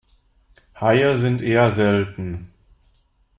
Haie sind eher selten.